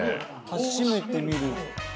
初めて見る。